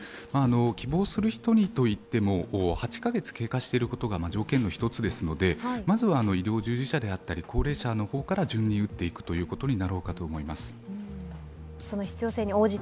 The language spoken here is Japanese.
希望する人にといっても８カ月経過していることが条件の１つですので、まずは医療従事者であったり高齢者から順に打っていくことになると思います。